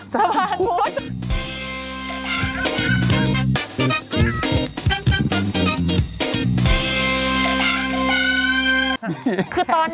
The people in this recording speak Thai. สะพานพุทธ